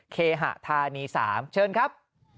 เคหะธานี๓เชิญครับ